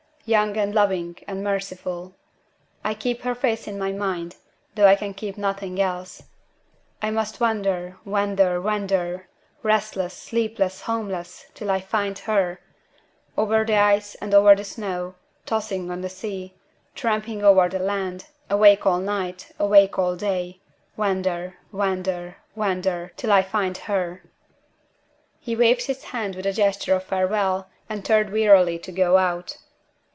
Young and loving and merciful. I keep her face in my mind, though I can keep nothing else. I must wander, wander, wander restless, sleepless, homeless till I find her! Over the ice and over the snow; tossing on the sea, tramping over the land; awake all night, awake all day; wander, wander, wander, till I find her!" He waved his hand with a gesture of farewell, and turned wearily to go out.